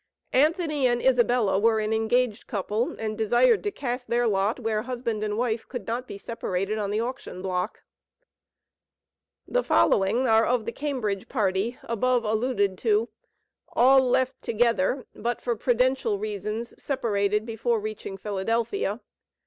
Anthony and Isabella were an engaged couple, and desired to cast their lot where husband and wife could not be separated on the auction block. The following are of the Cambridge party, above alluded to. All left together, but for prudential reasons separated before reaching Philadelphia.